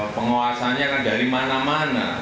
penguasannya dari mana mana